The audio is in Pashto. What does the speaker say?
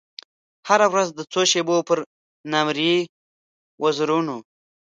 هره ورځ د څو شېبو پر نامریي وزرونو